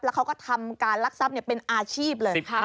เขาก็ทำการลักทรัพย์เป็นอาชีพเลย